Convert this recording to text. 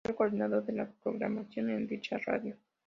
Fue el coordinador de la programación en dicha radio.